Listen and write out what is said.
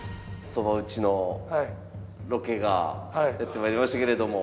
そば打ちのロケがやって参りましたけれども。